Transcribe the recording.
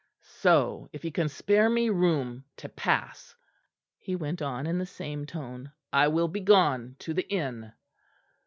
"So, if you can spare me room to pass," he went on in the same tone, "I will begone to the inn."